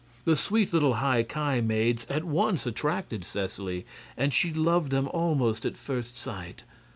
The sweet little High Ki maids at once attracted Seseley, and she loved them almost at first sight.